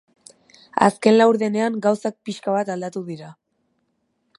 Azken laurdenean, gauzak pixka bat aldatu dira.